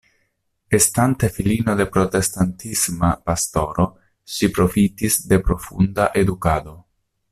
Estante filino de protestantisma pastoro ŝi profitis de profunda edukado.